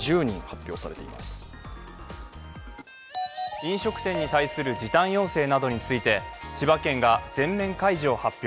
飲食店に対する時短要請などについて千葉県が全面解除を発表。